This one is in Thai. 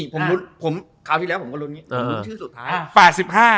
ผมรุนคราวที่แล้วผมก็รุนผมรุนชื่อสุดท้าย